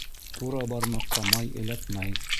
Тура бармаҡҡа май эләкмәй.